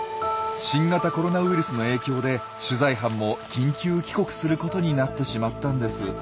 新型コロナウイルスの影響で取材班も緊急帰国することになってしまったんです。